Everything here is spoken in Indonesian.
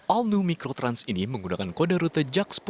all new mikrotrans ini menggunakan kode rute jak sepuluh